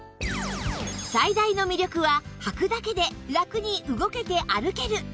最大の魅力ははくだけでラクに動けて歩ける